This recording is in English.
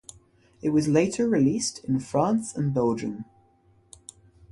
It was later released in France and Belgium.